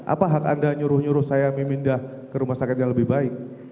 apa hak anda nyuruh nyuruh saya memindah ke rumah sakit yang lebih baik